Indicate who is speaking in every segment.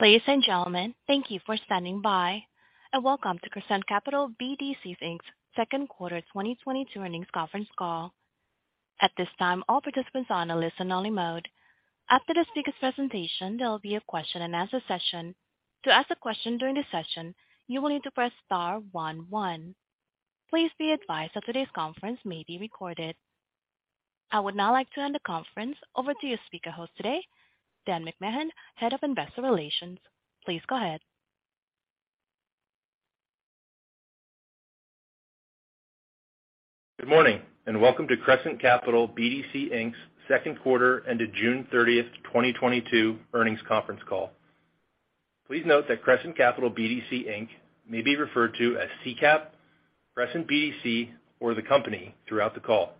Speaker 1: Ladies and gentlemen, thank you for standing by, and welcome to Crescent Capital BDC, Inc.'s second quarter 2022 earnings conference call. At this time, all participants are on a listen only mode. After the speaker's presentation, there will be a question and answer session. To ask a question during the session, you will need to press star one one. Please be advised that today's conference may be recorded. I would now like to hand the conference over to your speaker host today, Dan McMahon, Head of Investor Relations. Please go ahead.
Speaker 2: Good morning and welcome to Crescent Capital BDC, Inc.'s second quarter ended June 30th, 2022 earnings conference call. Please note that Crescent Capital BDC, Inc. may be referred to as CCAP, Crescent BDC, or the company throughout the call.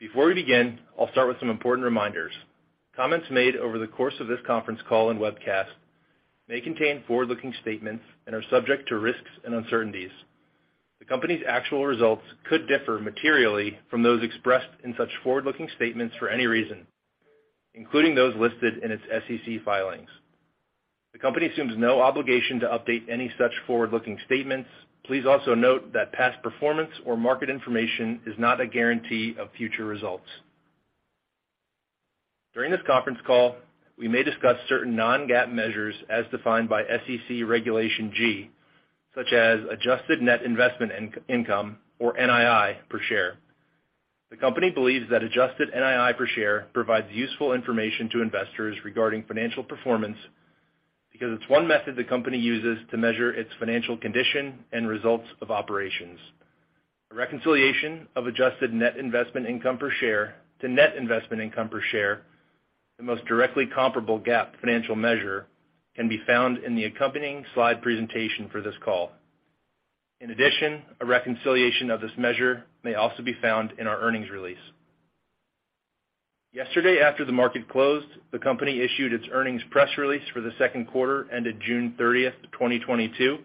Speaker 2: Before we begin, I'll start with some important reminders. Comments made over the course of this conference call and webcast may contain forward-looking statements and are subject to risks and uncertainties. The company's actual results could differ materially from those expressed in such forward-looking statements for any reason, including those listed in its SEC filings. The company assumes no obligation to update any such forward-looking statements. Please also note that past performance or market information is not a guarantee of future results. During this conference call, we may discuss certain non-GAAP measures as defined by SEC Regulation G, such as adjusted net investment income or NII per share. The company believes that adjusted NII per share provides useful information to investors regarding financial performance because it's one method the company uses to measure its financial condition and results of operations. A reconciliation of adjusted net investment income per share to net investment income per share, the most directly comparable GAAP financial measure, can be found in the accompanying slide presentation for this call. In addition, a reconciliation of this measure may also be found in our earnings release. Yesterday, after the market closed, the company issued its earnings press release for the second quarter ended June 30th, 2022,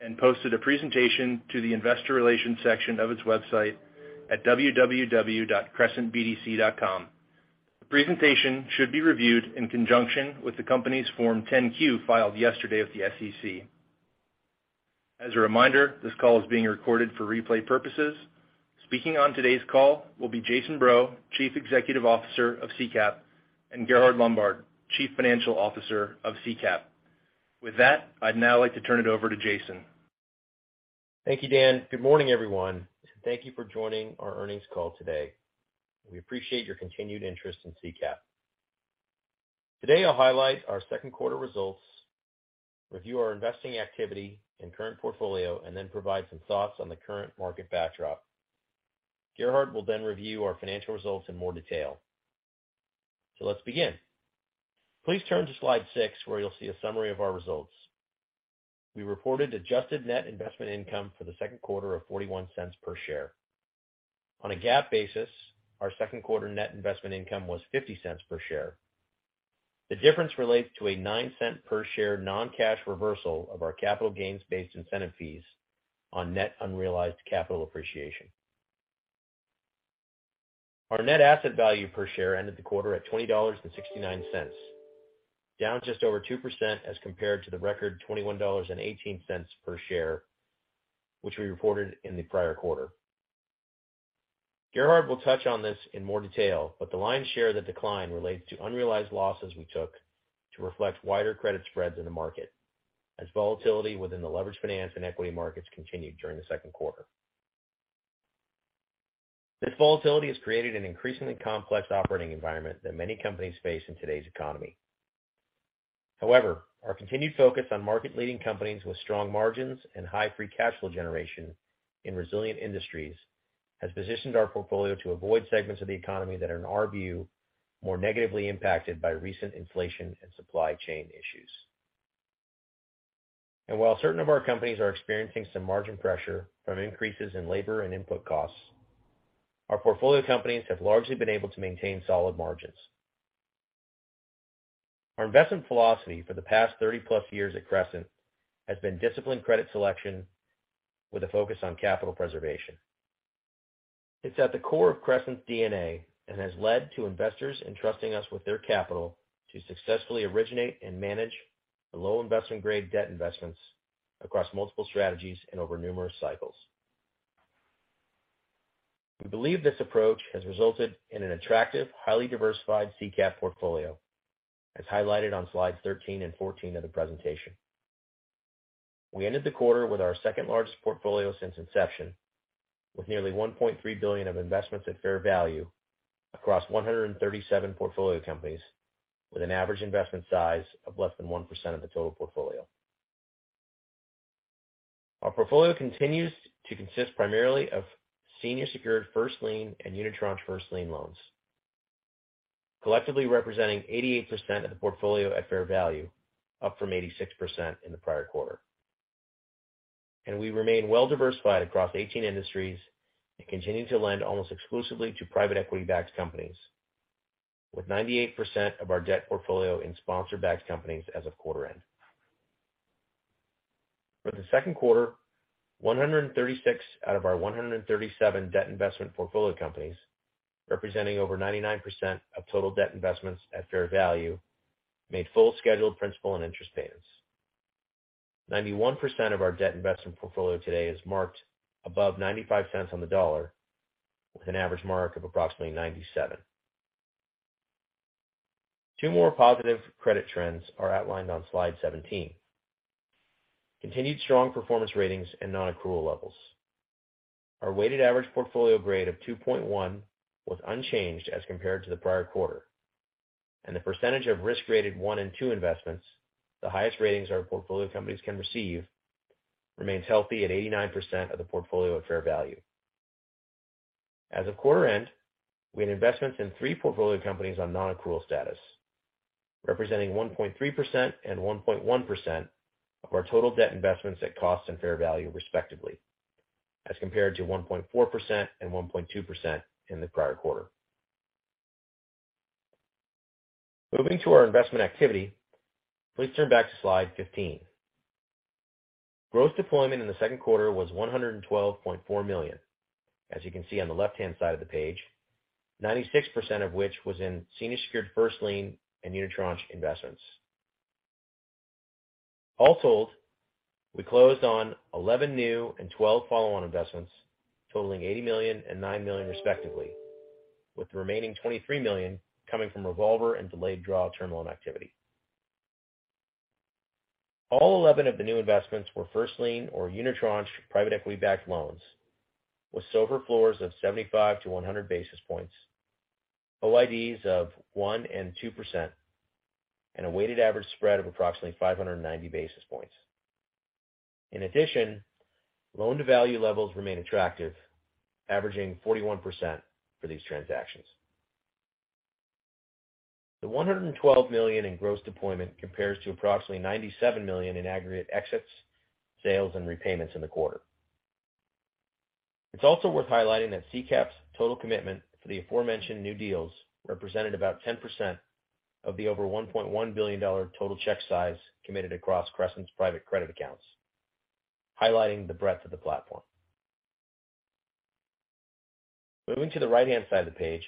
Speaker 2: and posted a presentation to the investor relations section of its website at www.crescentbdc.com. The presentation should be reviewed in conjunction with the company's Form 10-Q filed yesterday with the SEC. As a reminder, this call is being recorded for replay purposes. Speaking on today's call will be Jason Breaux, Chief Executive Officer of CCAP, and Gerhard Lombard, Chief Financial Officer of CCAP. With that, I'd now like to turn it over to Jason.
Speaker 3: Thank you, Dan. Good morning, everyone, and thank you for joining our earnings call today. We appreciate your continued interest in CCAP. Today, I'll highlight our second quarter results, review our investing activity and current portfolio, and then provide some thoughts on the current market backdrop. Gerhard will then review our financial results in more detail. Let's begin. Please turn to slide 6, where you'll see a summary of our results. We reported adjusted net investment income for the second quarter of $0.41 per share. On a GAAP basis, our second quarter net investment income was $0.50 per share. The difference relates to a $0.09 per share non-cash reversal of our capital gains-based incentive fees on net unrealized capital appreciation. Our net asset value per share ended the quarter at $20.69, down just over 2% as compared to the record $21.18 per share, which we reported in the prior quarter. Gerhard will touch on this in more detail, but the lion's share of the decline relates to unrealized losses we took to reflect wider credit spreads in the market as volatility within the leverage finance and equity markets continued during the second quarter. This volatility has created an increasingly complex operating environment that many companies face in today's economy. However, our continued focus on market-leading companies with strong margins and high free cash flow generation in resilient industries has positioned our portfolio to avoid segments of the economy that are, in our view, more negatively impacted by recent inflation and supply chain issues. While certain of our companies are experiencing some margin pressure from increases in labor and input costs, our portfolio companies have largely been able to maintain solid margins. Our investment philosophy for the past 30+ years at Crescent has been disciplined credit selection with a focus on capital preservation. It's at the core of Crescent's DNA and has led to investors entrusting us with their capital to successfully originate and manage the low investment-grade debt investments across multiple strategies and over numerous cycles. We believe this approach has resulted in an attractive, highly diversified CCAP portfolio, as highlighted on slides 13 and 14 of the presentation. We ended the quarter with our second-largest portfolio since inception, with nearly $1.3 billion of investments at fair value across 137 portfolio companies with an average investment size of less than 1% of the total portfolio. Our portfolio continues to consist primarily of senior secured first lien and unitranche first lien loans, collectively representing 88% of the portfolio at fair value, up from 86% in the prior quarter. We remain well diversified across 18 industries and continue to lend almost exclusively to private equity-backed companies with 98% of our debt portfolio in sponsor-backed companies as of quarter end. For the second quarter, 136 out of our 137 debt investment portfolio companies, representing over 99% of total debt investments at fair value, made full scheduled principal and interest payments. 91% of our debt investment portfolio today is marked above $0.95 on the dollar, with an average mark of approximately $0.97. Two more positive credit trends are outlined on slide 17. Continued strong performance ratings and non-accrual levels. Our weighted average portfolio grade of 2.1 was unchanged as compared to the prior quarter. The percentage of risk rated one and two investments, the highest ratings our portfolio companies can receive, remains healthy at 89% of the portfolio at fair value. As of quarter end, we had investments in three portfolio companies on non-accrual status, representing 1.3% and 1.1% of our total debt investments at cost and fair value, respectively, as compared to 1.4% and 1.2% in the prior quarter. Moving to our investment activity. Please turn back to slide 15. Gross deployment in the second quarter was $112.4 million. As you can see on the left-hand side of the page, 96% of which was in senior secured first lien and unitranche investments. All told, we closed on 11 new and 12 follow-on investments totaling $80 million and $9 million, respectively, with the remaining $23 million coming from revolver and delayed draw term loan activity. All 11 of the new investments were first lien or unitranche private equity backed loans with LIBOR floors of 75-100 basis points, OIDs of 1%-2%, and a weighted average spread of approximately 590 basis points. In addition, loan-to-value levels remain attractive, averaging 41% for these transactions. The $112 million in gross deployment compares to approximately $97 million in aggregate exits, sales, and repayments in the quarter. It's also worth highlighting that CCAP's total commitment for the aforementioned new deals represented about 10% of the over $1.1 billion total check size committed across Crescent's private credit accounts, highlighting the breadth of the platform. Moving to the right-hand side of the page,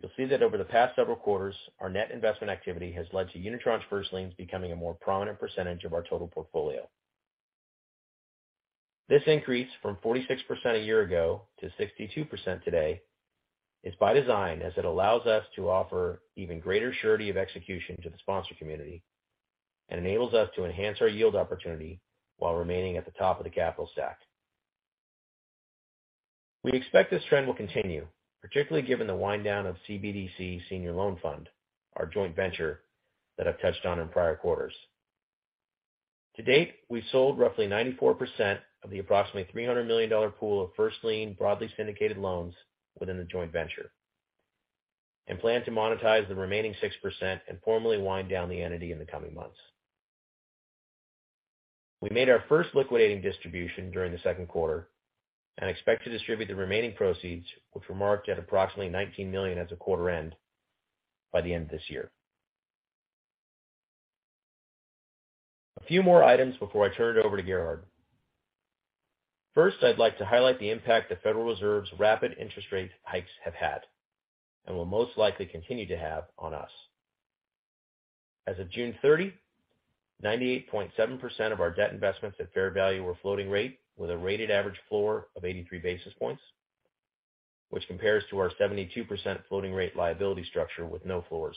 Speaker 3: you'll see that over the past several quarters, our net investment activity has led to unitranche first liens becoming a more prominent percentage of our total portfolio. This increase from 46% a year ago to 62% today is by design, as it allows us to offer even greater surety of execution to the sponsor community and enables us to enhance our yield opportunity while remaining at the top of the capital stack. We expect this trend will continue, particularly given the wind down of Crescent BDC Senior Loan Fund, our joint venture that I've touched on in prior quarters. To date, we've sold roughly 94% of the approximately $300 million pool of first lien broadly syndicated loans within the joint venture and plan to monetize the remaining 6% and formally wind down the entity in the coming months. We made our first liquidating distribution during the second quarter and expect to distribute the remaining proceeds, which were marked at approximately $19 million as of quarter end, by the end of this year. A few more items before I turn it over to Gerhard. First, I'd like to highlight the impact the Federal Reserve's rapid interest rate hikes have had and will most likely continue to have on us. As of June 30, 98.7% of our debt investments at fair value were floating rate with a rated average floor of 83 basis points, which compares to our 72% floating rate liability structure with no floors.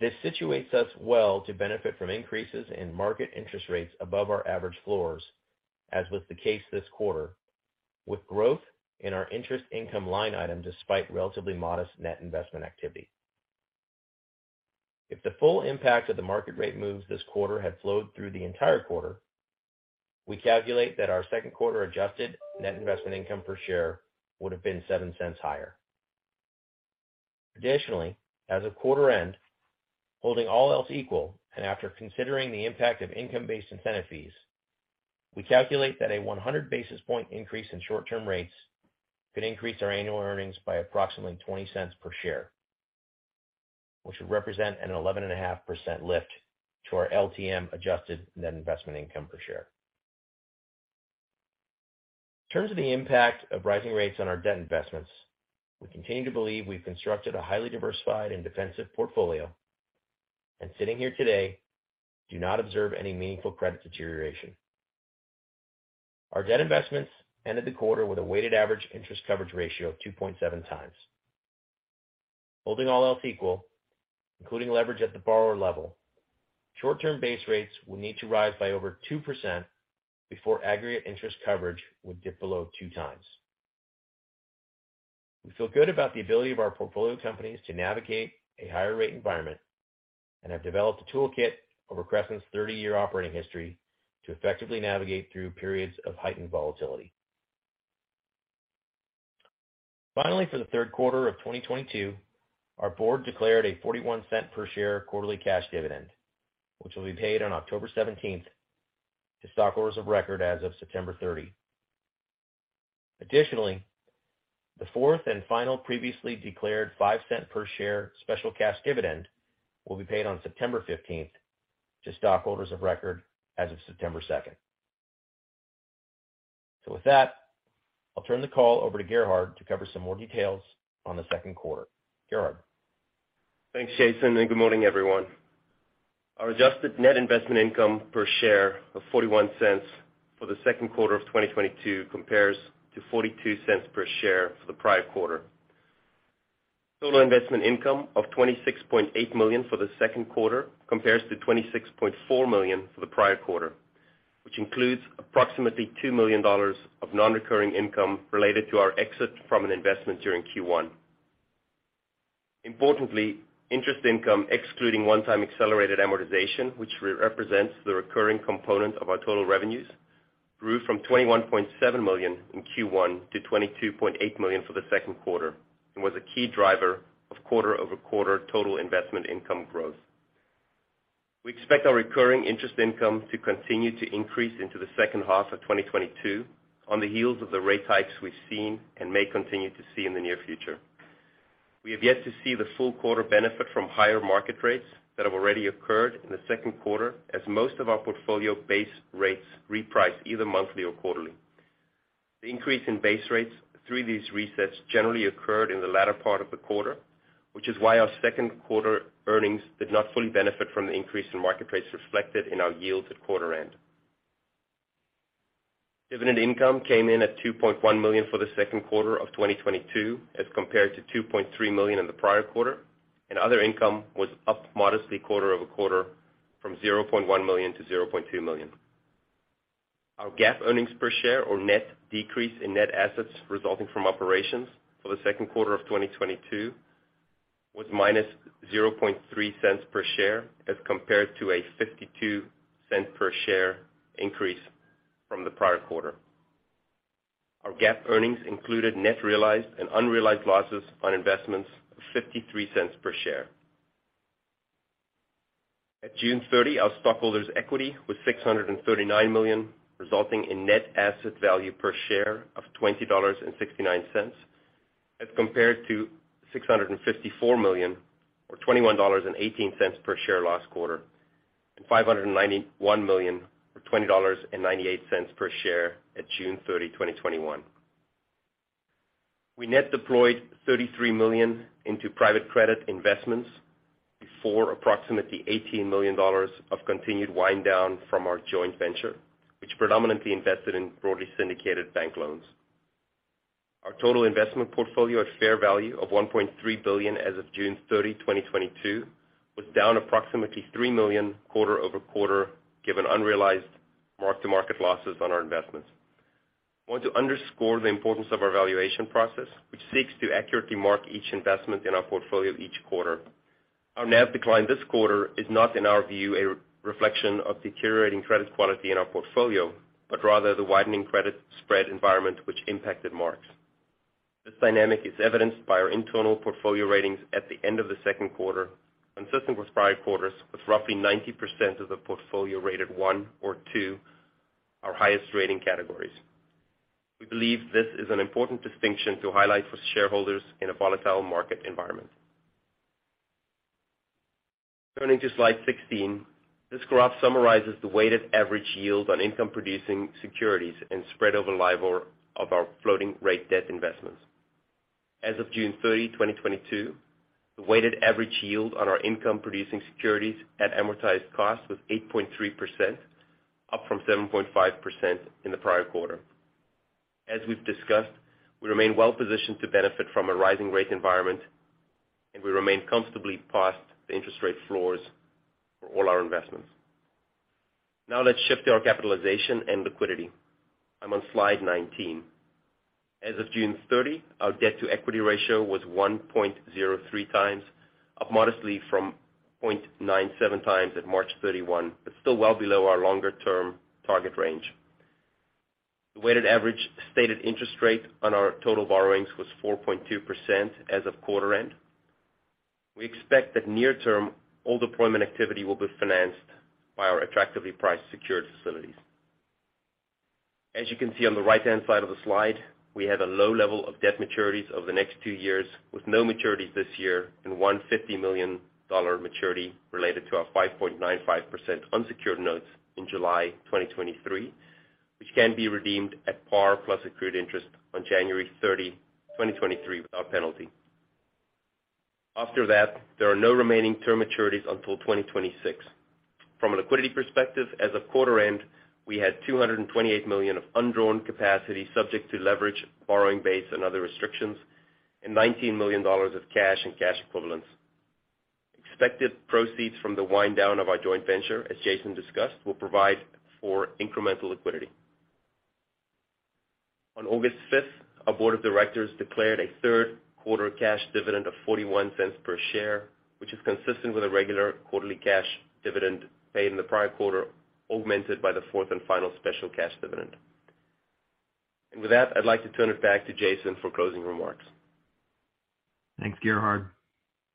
Speaker 3: This situates us well to benefit from increases in market interest rates above our average floors, as was the case this quarter, with growth in our interest income line item despite relatively modest net investment activity. If the full impact of the market rate moves this quarter had flowed through the entire quarter, we calculate that our second quarter adjusted net investment income per share would have been $0.07 higher. Additionally, as of quarter end, holding all else equal and after considering the impact of income-based incentive fees, we calculate that a 100 basis points increase in short-term rates could increase our annual earnings by approximately $0.20 per share, which would represent an 11.5% lift to our LTM adjusted net investment income per share. In terms of the impact of rising rates on our debt investments, we continue to believe we've constructed a highly diversified and defensive portfolio and sitting here today, do not observe any meaningful credit deterioration. Our debt investments ended the quarter with a weighted average interest coverage ratio of 2.7x. Holding all else equal, including leverage at the borrower level, short-term base rates will need to rise by over 2% before aggregate interest coverage would dip below two times. We feel good about the ability of our portfolio companies to navigate a higher rate environment and have developed a toolkit over Crescent's 30-year operating history to effectively navigate through periods of heightened volatility. Finally, for the third quarter of 2022, our board declared a $0.41 per share quarterly cash dividend which will be paid on October 17th to stockholders of record as of September 30. Additionally, the fourth and final previously declared $0.05 per share special cash dividend will be paid on September 15th to stockholders of record as of September 2nd. With that, I'll turn the call over to Gerhard to cover some more details on the second quarter. Gerhard?
Speaker 4: Thanks, Jason, and good morning, everyone. Our adjusted net investment income per share of $0.41 for the second quarter of 2022 compares to $0.42 per share for the prior quarter. Total investment income of $26.8 million for the second quarter compares to $26.4 million for the prior quarter, which includes approximately $2 million of non-recurring income related to our exit from an investment during Q1. Importantly, interest income excluding one-time accelerated amortization, which represents the recurring component of our total revenues, grew from $21.7 million in Q1 to $22.8 million for the second quarter and was a key driver of quarter-over-quarter total investment income growth. We expect our recurring interest income to continue to increase into the second half of 2022 on the heels of the rate hikes we've seen and may continue to see in the near future. We have yet to see the full quarter benefit from higher market rates that have already occurred in the second quarter as most of our portfolio base rates reprice either monthly or quarterly. The increase in base rates through these resets generally occurred in the latter part of the quarter, which is why our second quarter earnings did not fully benefit from the increase in market rates reflected in our yields at quarter end. Dividend income came in at $2.1 million for the second quarter of 2022, as compared to $2.3 million in the prior quarter, and other income was up modestly quarter-over-quarter from $0.1 million to $0.2 million. Our GAAP earnings per share or net decrease in net assets resulting from operations for the second quarter of 2022 was -$0.03 per share, as compared to a $0.52 per share increase from the prior quarter. Our GAAP earnings included net realized and unrealized losses on investments of $0.53 per share. At June 30, our stockholders' equity was $639 million, resulting in net asset value per share of $20.69, as compared to $654 million or $21.18 per share last quarter, and $591 million or $20.98 per share at June 30, 2021. We net deployed $33 million into private credit investments before approximately $18 million of continued wind down from our joint venture, which predominantly invested in broadly syndicated bank loans. Our total investment portfolio at fair value of $1.3 billion as of June 30, 2022, was down approximately $3 million quarter-over-quarter, given unrealized mark-to-market losses on our investments. I want to underscore the importance of our valuation process, which seeks to accurately mark each investment in our portfolio each quarter. Our NAV decline this quarter is not, in our view, a reflection of deteriorating credit quality in our portfolio, but rather the widening credit spread environment which impacted marks. This dynamic is evidenced by our internal portfolio ratings at the end of the second quarter, consistent with prior quarters, with roughly 90% of the portfolio rated one or two, our highest rating categories. We believe this is an important distinction to highlight for shareholders in a volatile market environment. Turning to slide 16. This graph summarizes the weighted average yield on income-producing securities and spread over LIBOR of our floating rate debt investments. As of June 30, 2022, the weighted average yield on our income-producing securities at amortized cost was 8.3%, up from 7.5% in the prior quarter. As we've discussed, we remain well positioned to benefit from a rising rate environment, and we remain comfortably past the interest rate floors for all our investments. Now let's shift to our capitalization and liquidity. I'm on slide 19. As of June 30, our debt-to-equity ratio was 1.03x, up modestly from 0.97x at March 31, but still well below our longer-term target range. The weighted average stated interest rate on our total borrowings was 4.2% as of quarter end. We expect that near term, all deployment activity will be financed by our attractively priced secured facilities. As you can see on the right-hand side of the slide, we have a low level of debt maturities over the next two years, with no maturities this year and $150 million maturity related to our 5.95% unsecured notes in July 2023, which can be redeemed at par plus accrued interest on January 30, 2023 without penalty. After that, there are no remaining term maturities until 2026. From a liquidity perspective, as of quarter end, we had $228 million of undrawn capacity subject to leverage, borrowing base, and other restrictions, and $19 million of cash and cash equivalents. Expected proceeds from the wind down of our joint venture, as Jason discussed, will provide for incremental liquidity. On August fifth, our board of directors declared a third quarter cash dividend of $0.41 per share, which is consistent with a regular quarterly cash dividend paid in the prior quarter, augmented by the fourth and final special cash dividend. With that, I'd like to turn it back to Jason for closing remarks.
Speaker 3: Thanks, Gerhard.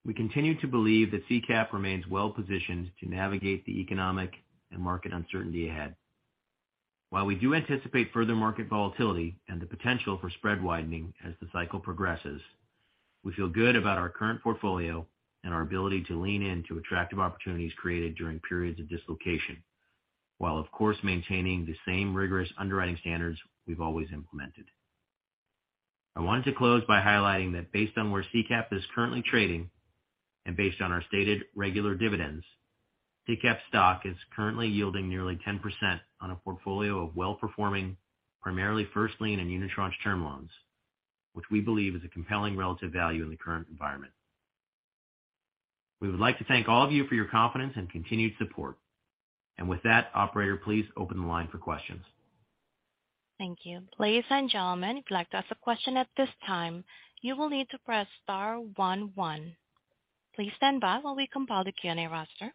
Speaker 3: We continue to believe that CCAP remains well positioned to navigate the economic and market uncertainty ahead. While we do anticipate further market volatility and the potential for spread widening as the cycle progresses, we feel good about our current portfolio and our ability to lean into attractive opportunities created during periods of dislocation, while of course maintaining the same rigorous underwriting standards we've always implemented. I wanted to close by highlighting that based on where CCAP is currently trading and based on our stated regular dividends, CCAP stock is currently yielding nearly 10% on a portfolio of well-performing, primarily first lien and unitranche term loans, which we believe is a compelling relative value in the current environment. We would like to thank all of you for your confidence and continued support. With that, operator, please open the line for questions.
Speaker 1: Thank you. Ladies and gentlemen, if you'd like to ask a question at this time, you will need to press star one one. Please stand by while we compile the Q&A roster.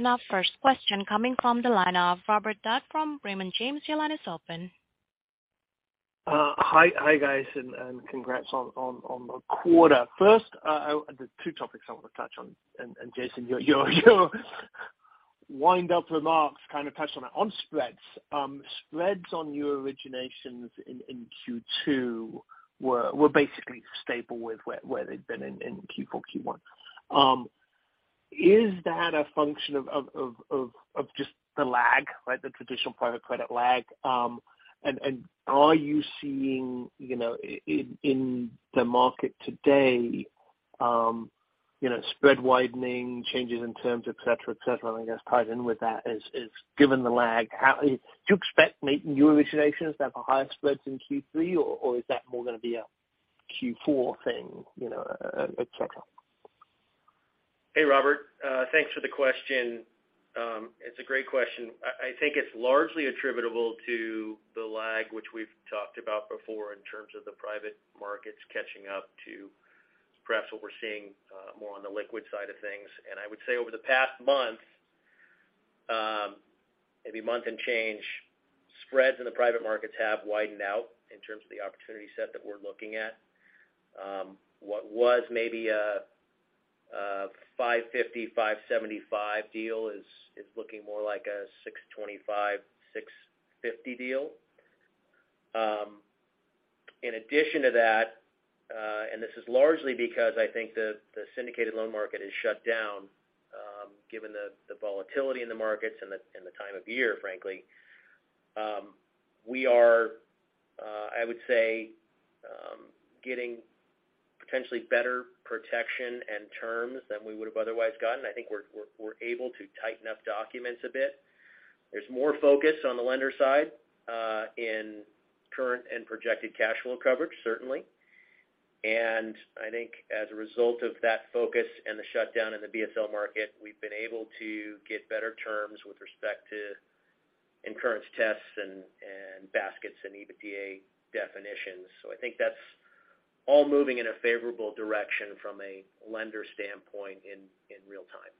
Speaker 1: Now first question coming from the line of Robert Dodd from Raymond James. Your line is open.
Speaker 5: Hi guys and congrats on the quarter. First, there are two topics I want to touch on, and Jason, your wrap-up remarks kind of touched on it. On spreads on your originations in Q2 were basically stable with where they've been in Q4, Q1. Is that a function of just the lag, right? The traditional private credit lag. Are you seeing, you know, in the market today, you know, spread widening changes in terms et cetera? I guess tied in with that is, given the lag, how do you expect new originations that have higher spreads in Q3 or is that more gonna be a Q4 thing, you know, et cetera?
Speaker 3: Hey, Robert. Thanks for the question. It's a great question. I think it's largely attributable to the lag which we've talked about before in terms of the private markets catching up to perhaps what we're seeing, more on the liquid side of things. I would say over the past month, maybe month and change, spreads in the private markets have widened out in terms of the opportunity set that we're looking at. What was maybe a 550-575 deal is looking more like a 625-650 deal. In addition to that, this is largely because I think the syndicated loan market is shut down, given the volatility in the markets and the time of year, frankly. We are, I would say, getting potentially better protection and terms than we would've otherwise gotten. I think we're able to tighten up documents a bit. There's more focus on the lender side, in current and projected cash flow coverage, certainly. I think as a result of that focus and the shutdown in the BSL market, we've been able to get better terms with respect to incurrence tests and baskets and EBITDA definitions. I think that's all moving in a favorable direction from a lender standpoint in real time.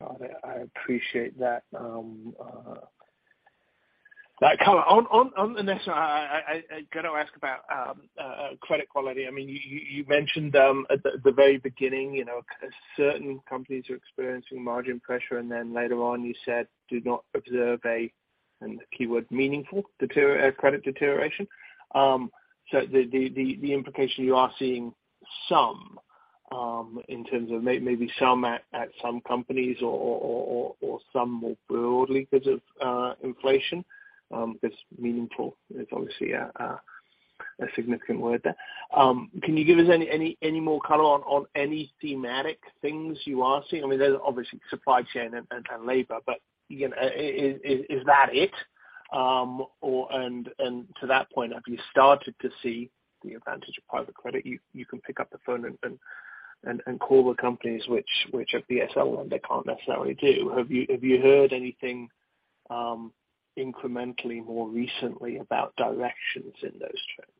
Speaker 5: Got it. I appreciate that. I gotta ask about credit quality. I mean, you mentioned at the very beginning, you know, certain companies are experiencing margin pressure, and then later on you said do not observe a, and the keyword meaningful credit deterioration. So the implication you are seeing some in terms of maybe some at some companies or some more broadly because of inflation, because meaningful is obviously a significant word there. Can you give us any more color on any thematic things you are seeing? I mean, there's obviously supply chain and labor. You know, is that it? To that point, have you started to see the advantage of private credit? You can pick up the phone and call the companies which are BSL, and they can't necessarily do. Have you heard anything incrementally more recently about directions in those trends?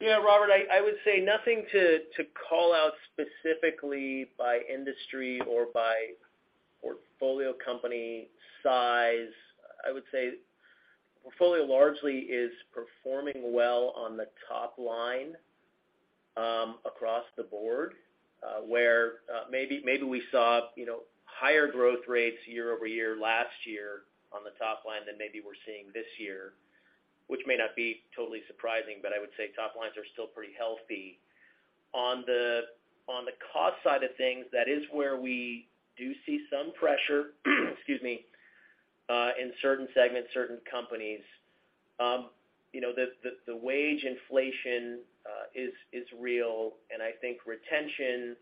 Speaker 3: Yeah, Robert, I would say nothing to call out specifically by industry or by portfolio company size. I would say portfolio largely is performing well on the top line across the board. Where maybe we saw, you know, higher growth rates year-over-year, last year on the top line than maybe we're seeing this year, which may not be totally surprising, but I would say top lines are still pretty healthy. On the cost side of things, that is where we do see some pressure, excuse me, in certain segments, certain companies. You know, the wage inflation is real, and I think retention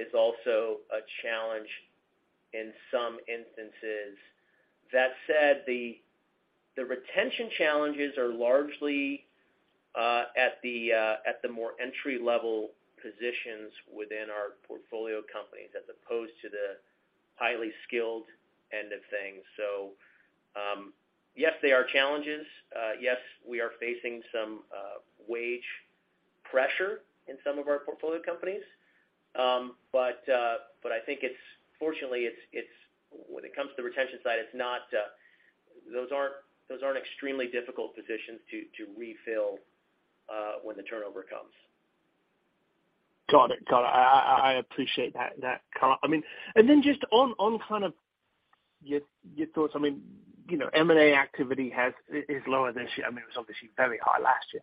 Speaker 3: is also a challenge in some instances. That said, the retention challenges are largely at the more entry-level positions within our portfolio companies as opposed to the highly skilled end of things. Yes, they are challenges. Yes, we are facing some wage pressure in some of our portfolio companies. I think it's fortunately, it's when it comes to the retention side, it's not those aren't extremely difficult positions to refill when the turnover comes.
Speaker 5: Got it. I appreciate that. I mean, and then just on kind of your thoughts, I mean, you know, M&A activity is lower this year. I mean, it was obviously very high last year.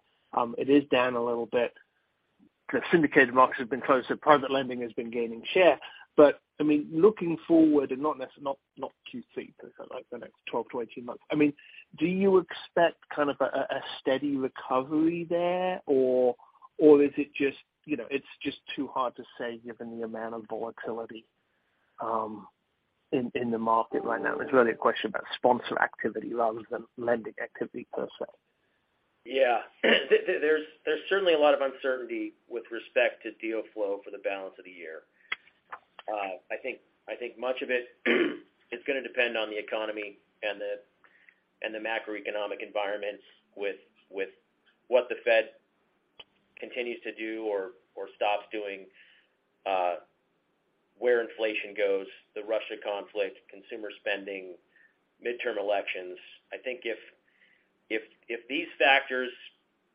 Speaker 5: It is down a little bit. The syndicated markets have been closed, so private lending has been gaining share. I mean, looking forward and not Q3, but like the next 12 to 18 months. I mean, do you expect kind of a steady recovery there or is it just, you know, it's just too hard to say given the amount of volatility in the market right now? It's really a question about sponsor activity rather than lending activity per se.
Speaker 3: Yeah. There's certainly a lot of uncertainty with respect to deal flow for the balance of the year. I think much of it is gonna depend on the economy and the macroeconomic environment with what the Fed continues to do or stops doing, where inflation goes, the Russia conflict, consumer spending, midterm elections. I think if these factors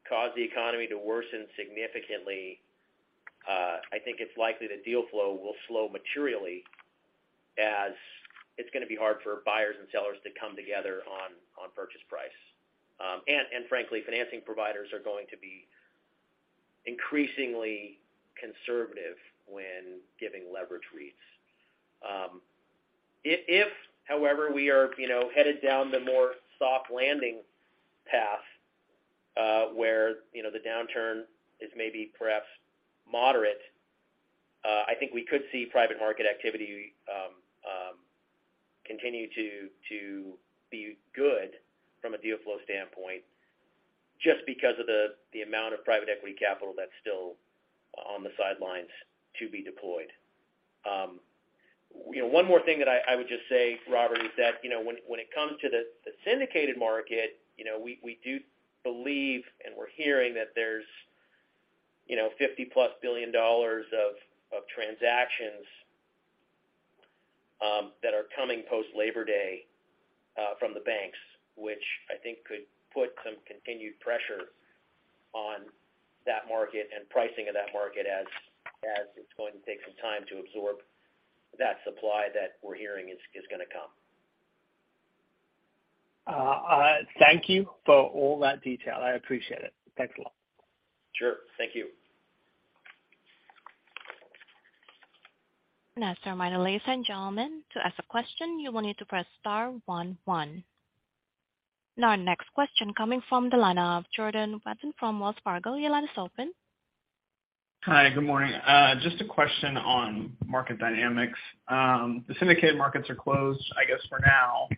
Speaker 3: cause the economy to worsen significantly, I think it's likely that deal flow will slow materially as it's gonna be hard for buyers and sellers to come together on purchase price. Frankly, financing providers are going to be increasingly conservative when giving leverage reads. If, however, we are, you know, headed down the more soft landing path, where, you know, the downturn is maybe perhaps moderate, I think we could see private market activity continue to be good from a deal flow standpoint just because of the amount of private equity capital that's still on the sidelines to be deployed. You know, one more thing that I would just say, Robert, is that, you know, when it comes to the syndicated market, you know, we do believe, and we're hearing that there's, you know, $50+ billion of transactions that are coming post Labor Day from the banks, which I think could put some continued pressure on that market and pricing of that market as it's going to take some time to absorb that supply that we're hearing is gonna come.
Speaker 5: Thank you for all that detail. I appreciate it. Thanks a lot.
Speaker 3: Sure. Thank you.
Speaker 1: Now, as a reminder, ladies and gentlemen, to ask a question, you will need to press star one one. Now, our next question coming from the line of Jordan Wathen from Wells Fargo. Your line is open.
Speaker 6: Hi. Good morning. Just a question on market dynamics. The syndicated markets are closed, I guess, for now,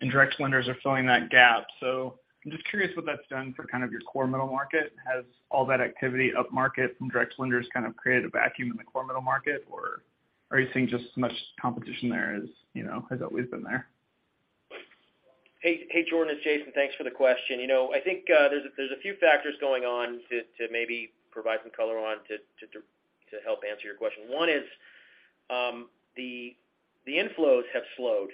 Speaker 6: and direct lenders are filling that gap. I'm just curious what that's done for kind of your core middle market. Has all that activity upmarket from direct lenders kind of created a vacuum in the core middle market, or are you seeing just as much competition there as, you know, has always been there?
Speaker 3: Hey, Jordan, it's Jason. Thanks for the question. You know, I think there's a few factors going on to help answer your question. One is, the inflows have slowed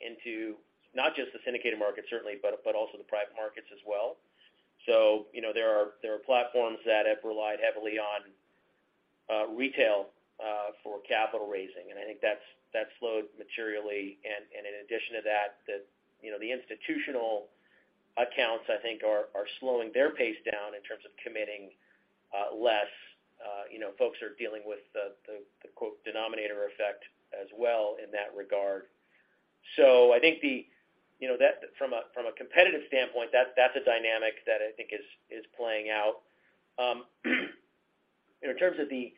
Speaker 3: into not just the syndicated market certainly, but also the private markets as well. You know, there are platforms that have relied heavily on retail for capital raising, and I think that's slowed materially. In addition to that, you know, the institutional accounts I think are slowing their pace down in terms of committing less. You know, folks are dealing with the so-called denominator effect as well in that regard. I think the You know, that from a competitive standpoint, that's a dynamic that I think is playing out. In terms of the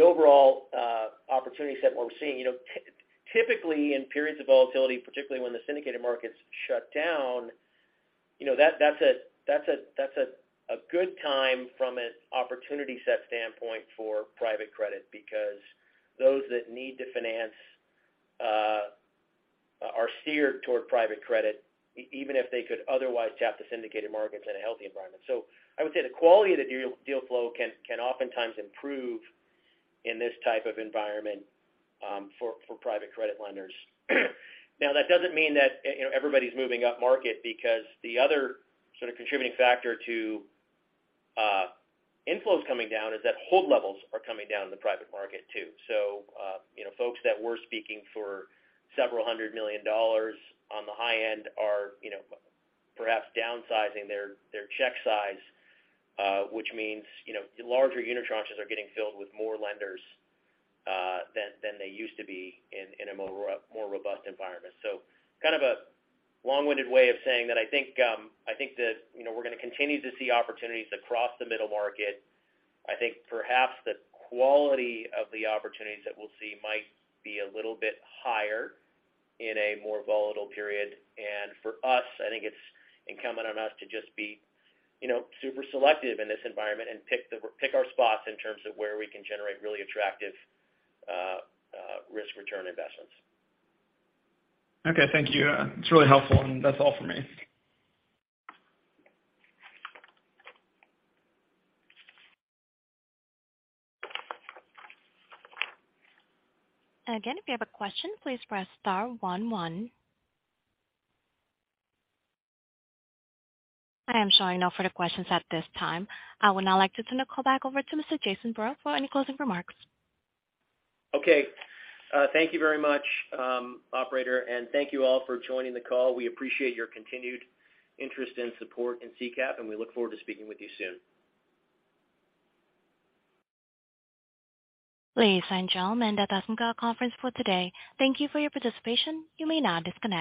Speaker 3: overall opportunity set, what we're seeing, you know, typically in periods of volatility, particularly when the syndicated markets shut down, you know, that's a good time from an opportunity set standpoint for private credit because those that need to finance are steered toward private credit even if they could otherwise tap the syndicated markets in a healthy environment. I would say the quality of the deal flow can oftentimes improve in this type of environment for private credit lenders. Now, that doesn't mean that, you know, everybody's moving upmarket because the other sort of contributing factor to inflows coming down is that hold levels are coming down in the private market too. You know, folks that were speaking for several hundred million dollars on the high end are, you know, perhaps downsizing their check size, which means, you know, larger unitranches are getting filled with more lenders than they used to be in a more robust environment. Kind of a long-winded way of saying that I think that, you know, we're gonna continue to see opportunities across the middle market. I think perhaps the quality of the opportunities that we'll see might be a little bit higher in a more volatile period. For us, I think it's incumbent on us to just be, you know, super selective in this environment and pick our spots in terms of where we can generate really attractive risk-return investments.
Speaker 6: Okay. Thank you. It's really helpful. That's all for me.
Speaker 1: Again, if you have a question, please press star one one. I am showing no further questions at this time. I would now like to turn the call back over to Mr. Jason Breaux for any closing remarks.
Speaker 3: Okay. Thank you very much, operator, and thank you all for joining the call. We appreciate your continued interest and support in CCAP, and we look forward to speaking with you soon.
Speaker 1: Ladies and gentlemen, that does end our conference for today. Thank you for your participation. You may now disconnect.